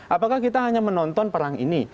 apakah kita hanya menonton perang ini